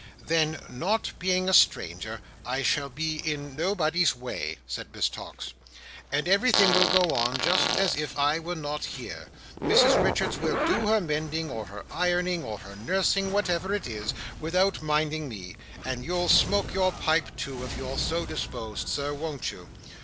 "Then, not being a stranger, I shall be in nobody's way," said Miss Tox, "and everything will go on just as if I were not here. Mrs Richards will do her mending, or her ironing, or her nursing, whatever it is, without minding me: and you'll smoke your pipe, too, if you're so disposed, Sir, won't you?"